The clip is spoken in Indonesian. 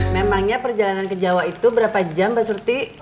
memangnya perjalanan ke jawa itu berapa jam mbak surti